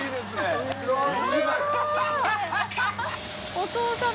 お父さま。